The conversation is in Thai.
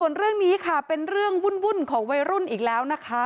ส่วนเรื่องนี้ค่ะเป็นเรื่องวุ่นของวัยรุ่นอีกแล้วนะคะ